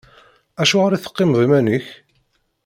Acuɣeṛ i teqqimeḍ iman-ik?